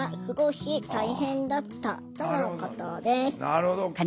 なるほど。